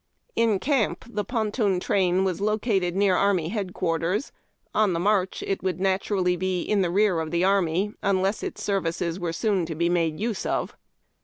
In camp, tlie Ponton Train was located near army headquarters. On tlie march it Avould naturally be in rear of the army, unless its services w^ere soon to be made use of.